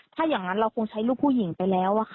ถ้าอย่างนั้นเราคงใช้ลูกผู้หญิงไปแล้วอะค่ะ